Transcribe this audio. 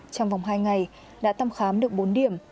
trong vòng hai ngày đã thăm khám được bốn điểm